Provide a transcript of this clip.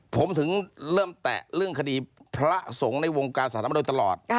ผมถึงเริ่มแตะเรื่องคดีพระสงฆ์ในวงการสถานมาโดยตลอด